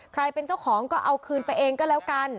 เป็นเจ้าของก็เอาคืนไปเองก็แล้วกัน